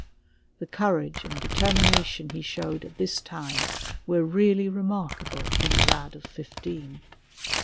The courage and determination he showed at this time were really remarkable in a lad of fifteen.